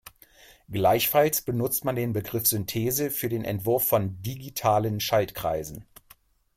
Gleichfalls benutzt man den Begriff Synthese für den Entwurf von "digitalen" Schaltkreisen.